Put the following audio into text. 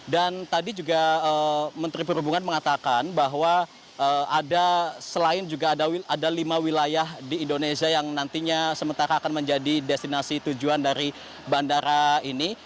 dan tadi juga menteri perhubungan mengatakan bahwa ada selain juga ada lima wilayah di indonesia yang nantinya sementara akan menjadi destinasi tujuan dari bandara ini